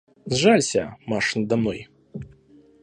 Сжалься, Маша, надо мной;